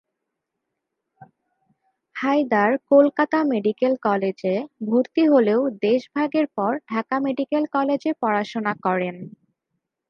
Haider Kolkata medical কলেজে ভর্তি হলেও দেশ ভাগের পর ঢাকা মেডিকেল কলেজে পড়াশোনা করেন।